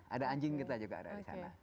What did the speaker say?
ada anjing kita juga ada di sana